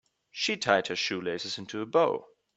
She tied her shoelaces into a bow.